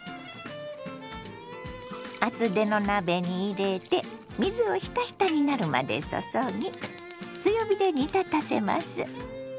厚手の鍋に入れて水をひたひたになるまで注ぎ強火で煮立たせます。